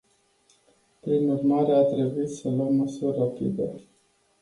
Prin urmare, a trebuit să luăm măsuri rapide.